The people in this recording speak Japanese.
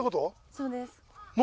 そうです。